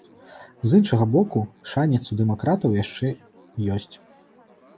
З іншага боку, шанец у дэмакратаў яшчэ ёсць.